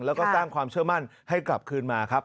แล้วก็สร้างความเชื่อมั่นให้กลับคืนมาครับ